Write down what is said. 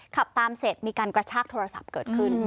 ขับตามเสร็จมีการกระชากโทรศัพท์เกิดขึ้น